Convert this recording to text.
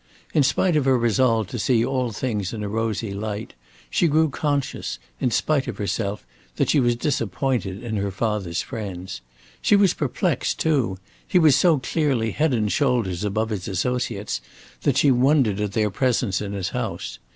In spite of her resolve to see all things in a rosy light, she grew conscious, in spite of herself, that she was disappointed in her father's friends. She was perplexed, too. He was so clearly head and shoulders above his associates, that she wondered at their presence in his house.